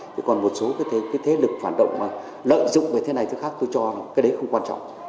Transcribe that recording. thế còn một số cái thế lực hoạt động lợi dụng về thế này thứ khác tôi cho là cái đấy không quan trọng